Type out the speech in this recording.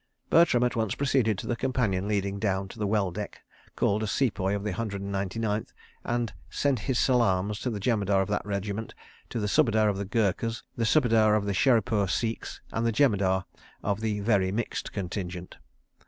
... Bertram at once proceeded to the companion leading down to the well deck, called a Sepoy of the Hundred and Ninety Ninth, and "sent his salaams" to the Jemadar of that regiment, to the Subedar of the Gurkhas, the Subedar of the Sherepur Sikhs and the Jemadar of the Very Mixed Contingent.